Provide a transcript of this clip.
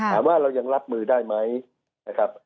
เรายังรับมือได้ไหมนะครับ